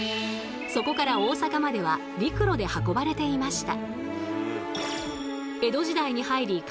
そこから大阪までは陸路で運ばれていました。